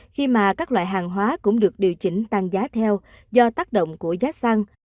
khi mà các loại hàng hóa cũng được điều chỉnh tăng giá theo do tác động của giá xăng